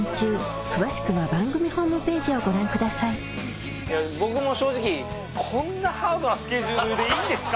『旅猿』はいや僕も正直こんなハードなスケジュールでいいんですか？